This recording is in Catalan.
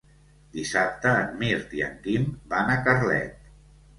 Dissabte en Mirt i en Quim van a Carlet.